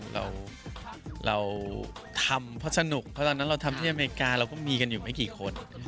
เราทำเพราะสนุกเพราะตอนนั้นเราทำที่อเมริกาเราก็มีกันอยู่ไม่กี่คน